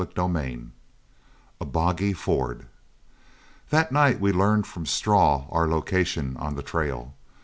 CHAPTER XI A BOGGY FORD That night we learned from Straw our location on the trail.